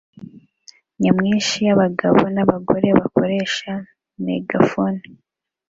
nyamwinshi y'abagabo n'abagore bakoresha megafone